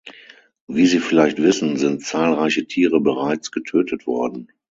Wie Sie vielleicht wissen, sind zahlreiche Tiere bereits getötet worden.